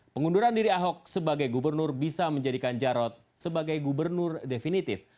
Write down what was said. pengunduran diri ahok sebagai gubernur bisa menjadikan jarod sebagai gubernur definitif